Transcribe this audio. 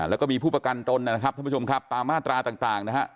แล้วก็มีผู้ประกันตนนะครับท่านผู้ชมครับตามมาตราต่างนะฮะ